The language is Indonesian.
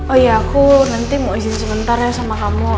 oh iya aku nanti mau izin sebentar ya sama kamu